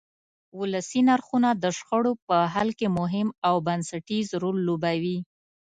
ولسي نرخونه د شخړو په حل کې مهم او بنسټیز رول لوبوي.